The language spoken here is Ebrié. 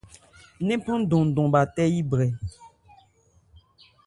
Ńnephan ndɔnndɔn bha tɛ́ yí brɛ.